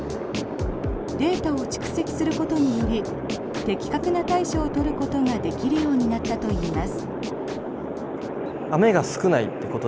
データを蓄積することにより的確な対処を取ることができるようになったといいます。